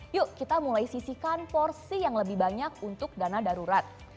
yuk kita mulai sisihkan porsi yang lebih banyak untuk dana darurat